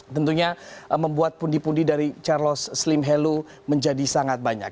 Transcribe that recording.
tentunya membuat pundi pundi dari charles slim helo menjadi sangat banyak